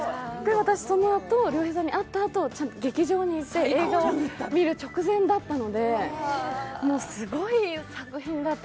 私、亮平さんに会ったあと劇場に行って映画を見る直前だったので、すごい作品だった。